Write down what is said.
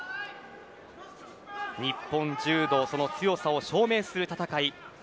日本柔道の強さを証明する戦い。